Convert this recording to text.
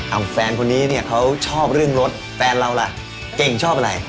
แฟนคนนี้เนี่ยเขาชอบเรื่องรถแฟนเราล่ะเก่งชอบอะไร